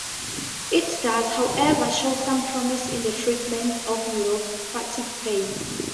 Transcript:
It does, however, show some promise in the treatment of neuropathic pain.